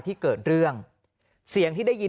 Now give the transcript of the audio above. ที่เกิดเรื่องเสียงที่ได้ยิน